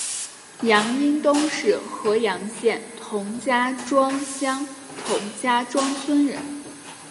杨荫东是合阳县同家庄乡同家庄村人。